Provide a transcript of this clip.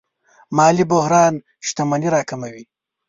مالي بحران شتمني راکموي.